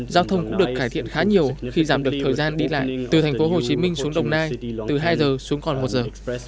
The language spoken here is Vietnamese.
giao thông cũng được cải thiện khá nhiều khi giảm được thời gian đi lại từ thành phố hồ chí minh xuống đồng nai từ hai giờ xuống còn một giờ